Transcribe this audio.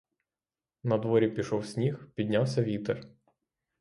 Надворі пішов сніг, піднявся вітер.